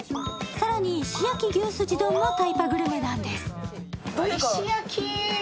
更に、石焼き牛すじ丼もタイパグルメなんです。